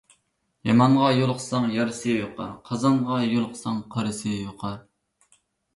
يامانغا يۇلۇقساڭ يارىسى يۇقار، قازانغا يۇلۇقساڭ قارىسى يۇقار.